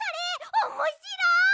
おもしろい！